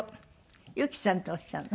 由紀さんっておっしゃるの？